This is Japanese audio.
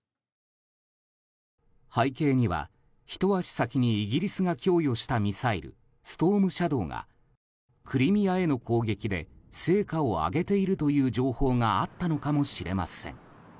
背景には、ひと足先にイギリスが供与したミサイルストームシャドーがクリミアへの攻撃で成果を上げているという情報があったのかもしれません。